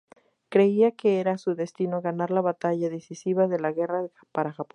Creía que era su destino ganar la batalla decisiva de la guerra para Japón.